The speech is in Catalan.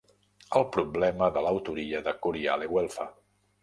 El problema de l'autoria del 'Curial e Güelfa'.